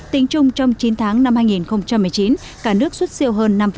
tính chung trong chín tháng năm hai nghìn một mươi chín cả nước xuất siêu hơn năm